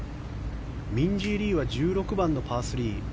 ミンジー・リーは１６番のパー３。